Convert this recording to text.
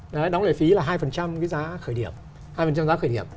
đóng lệ phí là hai giá khởi điểm